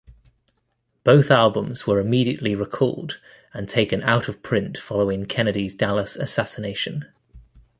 Both albums were immediately recalled and taken out of print following Kennedy's Dallas assassination.